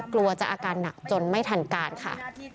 กลัวจะอาการหนักจนไม่ทันการค่ะ